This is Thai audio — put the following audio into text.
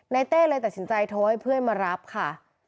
เต้เลยตัดสินใจโทรให้เพื่อนมารับค่ะ